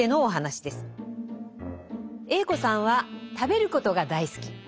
Ａ子さんは食べることが大好き。